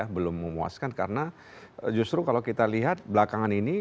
belum memuaskan karena justru kalau kita lihat belakangan ini